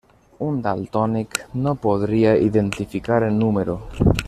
Un daltònic no podria identificar en número.